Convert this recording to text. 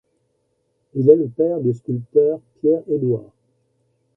Il est le père du sculpteur Pierre Édouard.